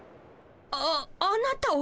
ああなたは？